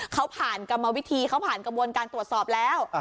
เขาผ่านกรรมวิธีเขาผ่านกระบวนการตรวจสอบแล้ว